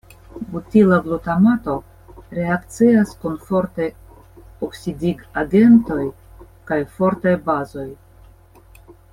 Butila glutamato reakcias kun fortaj oksidigagentoj kaj fortaj bazoj.